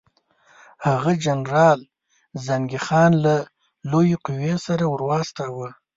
هغه جنرال زنګي خان له لویې قوې سره ورواستاوه.